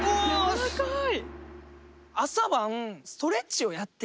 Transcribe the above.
やわらかい！